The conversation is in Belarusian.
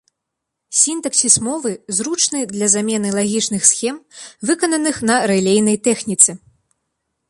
Сінтаксіс мовы зручны для замены лагічных схем, выкананых на рэлейнай тэхніцы.